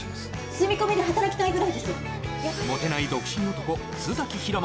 住み込みで働きたいぐらいです